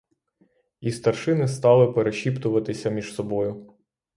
І старшини стали перешіптуватися між собою.